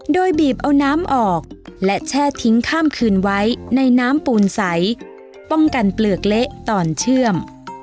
โดยบีบเอาน้ำออกและแช่ทิ้งข้ามคืนไว้ในน้ำปูนใสป้องกันเปลือกเละตอนเชื่อม